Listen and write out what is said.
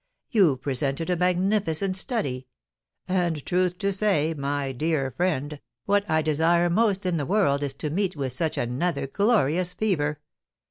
You presented a magnificent study; and, truth to say, my dear friend, what I desire most in the world is to meet with such another glorious fever.